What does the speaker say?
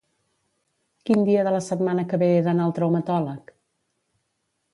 Quin dia de la setmana que ve he d'anar al traumatòleg?